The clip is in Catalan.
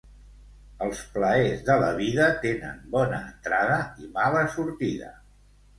Els plaers de la vida tenen bona entrada i mala sortida.